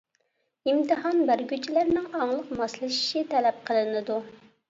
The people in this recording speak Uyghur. ئىمتىھان بەرگۈچىلەرنىڭ ئاڭلىق ماسلىشىشى تەلەپ قىلىنىدۇ.